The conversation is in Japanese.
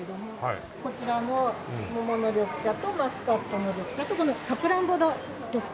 こちらの桃の緑茶とマスカットの緑茶とこのさくらんぼの緑茶。